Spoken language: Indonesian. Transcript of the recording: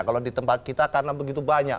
kalau di tempat kita karena begitu banyak